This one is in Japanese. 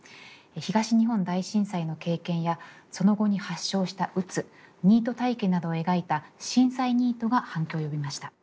東日本大震災の経験やその後に発症した鬱ニート体験などを描いた「しんさいニート」が反響を呼びました。